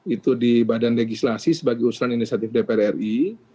itu di badan legislasi sebagai usulan inisiatif dpr ri